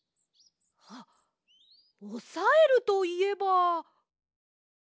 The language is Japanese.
あっおさえるといえば。